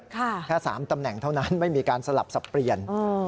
แค่๓ตำแหน่งเท่านั้นไม่มีการสลับสับเปลี่ยน